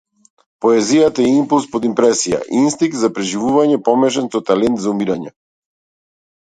Поезијата е импулс под импресија, инстинкт за преживување помешан со талент за умирање.